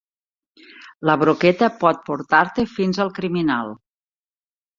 La broqueta pot portar-te fins el criminal.